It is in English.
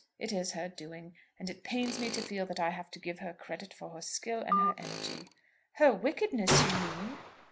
It is her doing. And it pains me to feel that I have to give her credit for her skill and her energy." "Her wickedness, you mean."